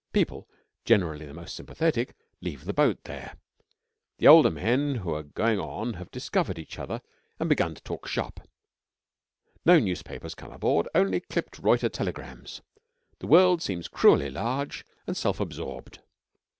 People, generally the most sympathetic, leave the boat there; the older men who are going on have discovered each other and begun to talk shop; no newspapers come aboard, only clipped Reuter telegrams; the world seems cruelly large and self absorbed.